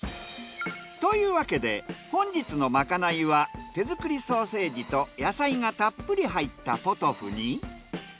というわけで本日のまかないは手作りソーセージと野菜がたっぷり入ったポトフに。